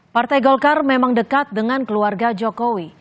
partai golkar memang dekat dengan keluarga jokowi